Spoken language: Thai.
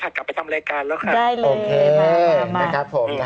กลับกลับออกไปทำรายการแล้วค่ะมากเลยโอเคนะครับผม